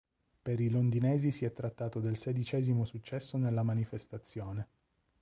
Per i londinesi si è trattato del sedicesimo successo nella manifestazione.